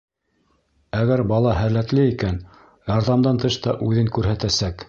Әгәр бала һәләтле икән, ярҙамдан тыш та үҙен күрһәтәсәк.